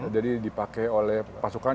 jadi dipakai oleh pasukan